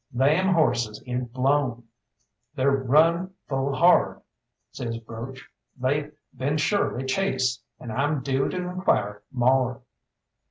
"Them horses is blown, they're run full hard," says Broach; "they've been surely chased, and I'm due to inquire more."